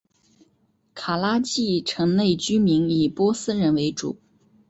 卡拉季城内居民以波斯人为主。